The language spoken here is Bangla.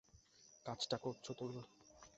কাজটা করছো তুমি?